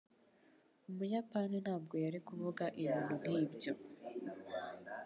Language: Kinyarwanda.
Umuyapani ntabwo yari kuvuga ibintu nkibyo.